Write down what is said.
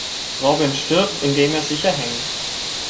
Robin stirbt, indem er sich erhängt.